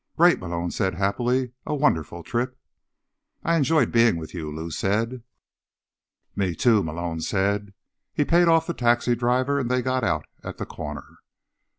"Great," Malone said happily. "A wonderful trip." "I enjoyed being with you," Lou said. "Me, too," Malone said. He paid off the taxi driver and they got out at the corner.